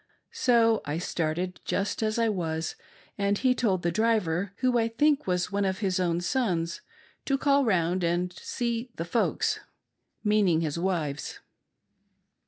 So I started just as I was, and he told the driver — who, I think, was one of his own sons — to call round and see "the folks "— meaning his wives.